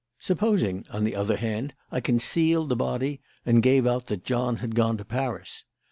"Supposing, on the other hand, I concealed the body and gave out that John had gone to Paris.